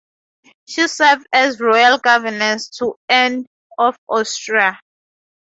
She served as royal governess to Anne of Austria.